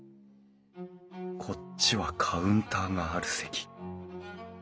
こっちはカウンターがある席。